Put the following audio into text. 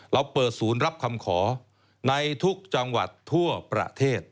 เราเปิดศูนย์รับคำขอในทุกจังหวัดทั่วประเทศ